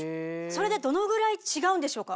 それでどのぐらい違うんでしょうか？